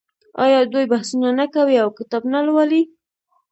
آیا دوی بحثونه نه کوي او کتاب نه لوالي؟